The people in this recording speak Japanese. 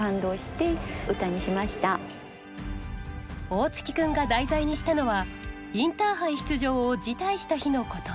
大槻君が題材にしたのはインターハイ出場を辞退した日のこと。